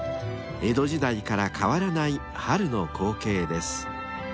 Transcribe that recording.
［江戸時代から変わらない春の光景です］